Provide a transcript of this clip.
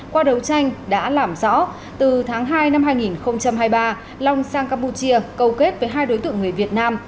qua đấu tranh đã làm rõ từ tháng hai năm hai nghìn hai mươi ba long sang campuchia cầu kết với hai đối tượng người việt nam